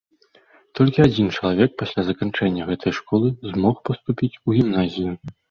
Толькі адзін чалавек пасля заканчэння гэтай школы змог паступіць у гімназію.